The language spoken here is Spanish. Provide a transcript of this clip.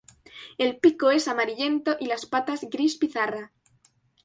El pico es amarillento y las patas gris pizarra.